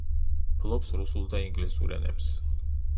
ფლობს რუსულ და ინგლისურ ენებს.